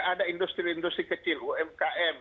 ada industri industri kecil umkm